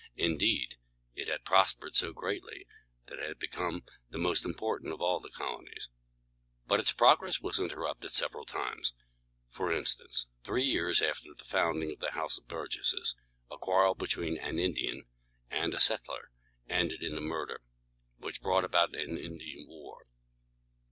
Indeed, it had prospered so greatly that it had become the most important of all the colonies. But its progress was interrupted several times. For instance, three years after the founding of the House of Burgesses, a quarrel between an Indian and a settler ended in a murder, which brought about an Indian war.